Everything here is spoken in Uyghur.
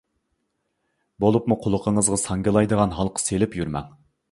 بولۇپمۇ قۇلىقىڭىزغا ساڭگىلايدىغان ھالقا سېلىپ يۈرمەڭ.